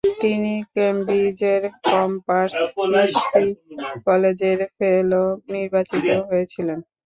তিনি কেম্ব্রিজের Corpus Christi কলেজের ফেলো নির্বাচিত হয়েছিলেন।